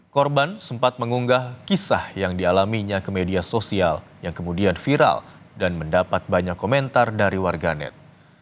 korban sempat mengunggah kisah yang dialaminya ke media sosial yang kemudian viral dan mendapat banyak komentar dari warganet